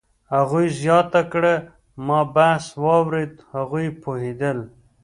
هغې زیاته کړه: "ما بحث واورېد، هغوی پوهېدل